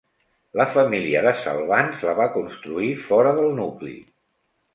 La família de Salvans la va construir fora del nucli.